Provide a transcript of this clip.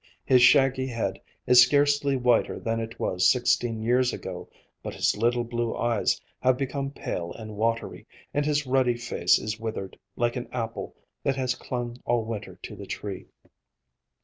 His shaggy head is scarcely whiter than it was sixteen years ago, but his little blue eyes have become pale and watery, and his ruddy face is withered, like an apple that has clung all winter to the tree.